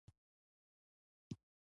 کلي د افغانستان د امنیت په اړه هم اغېز لري.